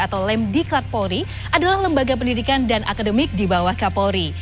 atau lemdiklat polri adalah lembaga pendidikan dan akademik di bawah kapolri